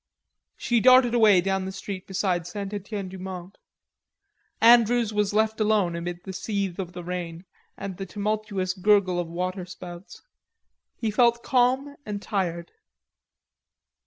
She darted away down the street beside St. Etienne du Mont. Andrews was left alone amid the seethe of the rain and the tumultuous gurgle of water spouts. He felt calm and tired.